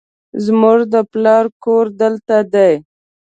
زموږ د پلار کور دلته دی